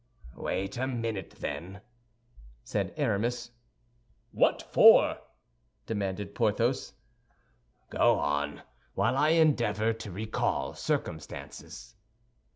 "Wait a minute, then," said Aramis. "What for?" demanded Porthos. "Go on, while I endeavor to recall circumstances."